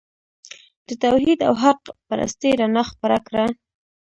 د توحید او حق پرستۍ رڼا خپره کړه.